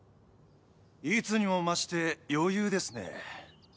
いつにも増して余裕ですね。